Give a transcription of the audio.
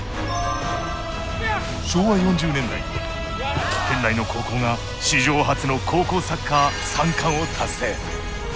昭和４０年代県内の高校が史上初の高校サッカー三冠を達成。